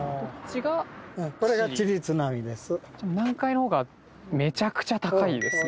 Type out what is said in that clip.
南海の方がめちゃくちゃ高いですね。